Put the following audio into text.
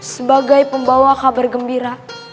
sebagai pembawa kabar gembira